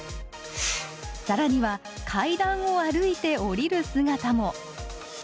更には階段を歩いて下りる姿も。